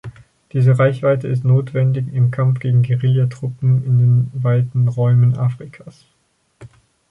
Diese Reichweite ist notwendig im Kampf gegen Guerilla-Truppen in den weiten Räumen Afrikas.